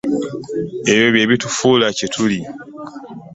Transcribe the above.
Ebyo byebitufuula kye tuli.